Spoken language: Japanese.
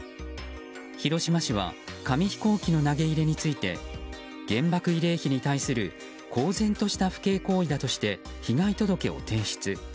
広島市は紙飛行機の投げ入れについて原爆慰霊碑に対する公然とした不敬行為だとして被害届を提出。